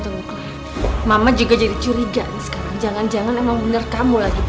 tunggu tunggu clara mama juga jadi curiga sekarang jangan jangan emang benar kamu lagi bapak